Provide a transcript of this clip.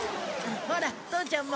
ほら父ちゃんも。